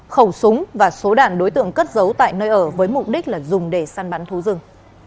khẩu súng và số đạn đối tượng cất giấu tại nơi ở với mục đích là dùng để săn bắn thú rừng